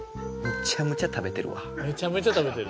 めちゃめちゃ食べてる？